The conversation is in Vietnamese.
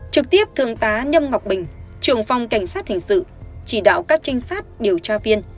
trực tiếp thương tá nhâm ngọc bình trưởng phòng cảnh sát hình sự chỉ đạo các trinh sát điều tra viên